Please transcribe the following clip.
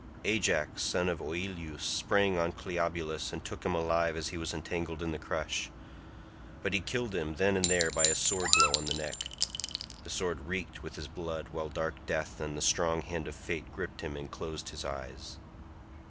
Ajax son of Oileus sprang on Cleobulus and took him alive as he was entangled in the crush; but he killed him then and there by a sword blow on the neck. The sword reeked with his blood, while dark death and the strong hand of fate gripped him and closed his eyes.